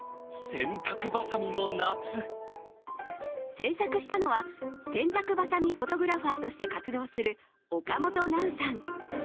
製作したのは、洗濯ばさみフォトグラファーとして活動する岡本なうさん。